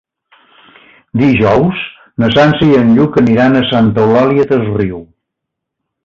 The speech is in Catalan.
Dijous na Sança i en Lluc aniran a Santa Eulària des Riu.